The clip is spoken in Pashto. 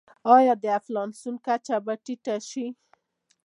آیا د انفلاسیون کچه به ټیټه شي؟